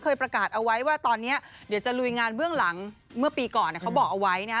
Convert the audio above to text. ประกาศเอาไว้ว่าตอนนี้เดี๋ยวจะลุยงานเบื้องหลังเมื่อปีก่อนเขาบอกเอาไว้นะ